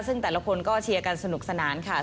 ซึ่งแต่ละคนก็เชียร์กันสนุกสนานค่ะ